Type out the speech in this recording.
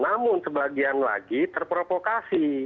namun sebagian lagi terprovokasi